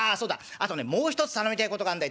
あとねもう一つ頼みてえことがあんだよ。